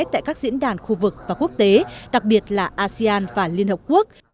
tại các diễn đàn khu vực và quốc tế đặc biệt là asean và liên hợp quốc